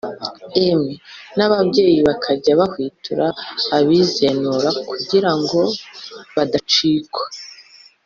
emwe n’ababyeyi bakajya bahwitura abizenura kugira ngo badacikwa